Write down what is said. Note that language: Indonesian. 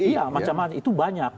iya macam macam itu banyak